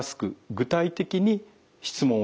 具体的に質問をする。